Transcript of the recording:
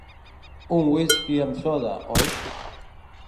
Un whisky amb soda, oi?